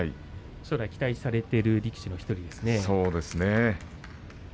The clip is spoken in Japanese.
期待されている力士の１人ですね。